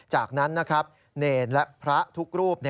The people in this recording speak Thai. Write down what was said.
จากนั้นนะครับเนรและพระทุกรูป